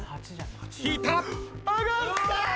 引いた！